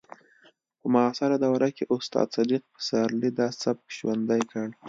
په معاصره دوره کې استاد صدیق پسرلي دا سبک ژوندی کړ